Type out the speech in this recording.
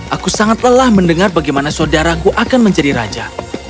aku sangat lelah mendengar bagaimana saudaraku akan menjadi raja